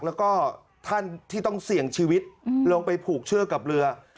แล้วก็ท่านที่ต้องเสี่ยงชีวิตลงไปผูกเชือกกับเรือ